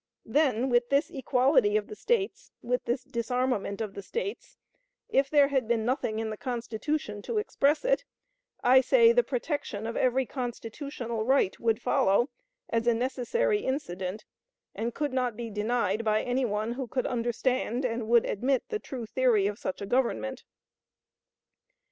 Then, with this equality of the States, with this disarmament of the States, if there had been nothing in the Constitution to express it, I say the protection of every constitutional right would follow as a necessary incident, and could not be denied by any one who could understand and would admit the true theory of such a Government.